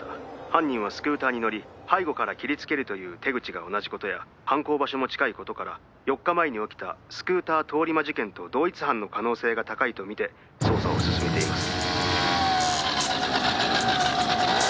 「犯人はスクーターに乗り背後から切りつけるという手口が同じ事や犯行場所も近い事から４日前に起きたスクーター通り魔事件と同一犯の可能性が高いとみて捜査を進めています」